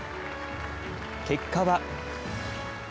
結果は。